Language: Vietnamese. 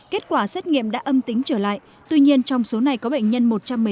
kết quả xét nghiệm đã âm tính trở lại tuy nhiên trong số này có bệnh nhân một trăm một mươi sáu